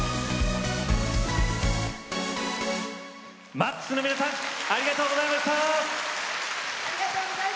ＭＡＸの皆さんありがとうございました。